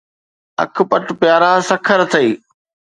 اک پَٽ، پيارا سکر اٿئي.